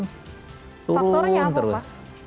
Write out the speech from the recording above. faktornya apa pak